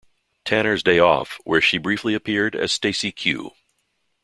Tanner's Day Off, where she briefly appeared as Stacey Q.